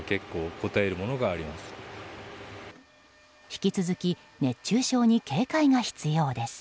引き続き熱中症に警戒が必要です。